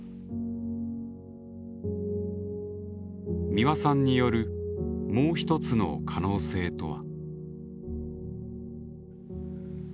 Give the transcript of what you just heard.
美輪さんによるもう一つの可能性とは？